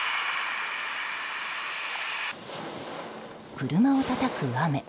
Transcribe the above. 車をたたく雨。